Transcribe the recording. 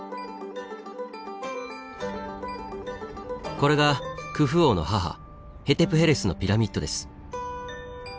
これがクフ王の母ヘテプヘレスのピラミッドです。